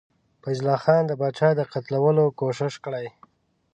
فیض الله خان د پاچا د قتلولو کوښښ کړی.